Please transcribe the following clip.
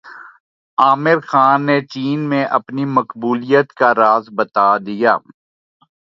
عامر خان نے چین میں اپنی مقبولیت کا راز بتادیا